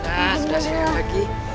alhamdulillah sudah segar lagi